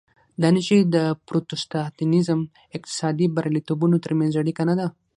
دا نښې د پروتستانېزم او اقتصادي بریالیتوبونو ترمنځ اړیکه نه ده.